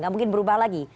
gak mungkin berubah lagi